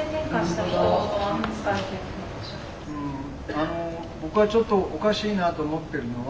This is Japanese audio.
あの僕がちょっとおかしいなと思っているのは。